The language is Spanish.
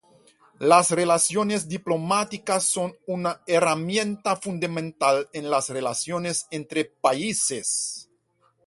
Las relaciones diplomáticas son una herramienta fundamental en las relaciones entre países.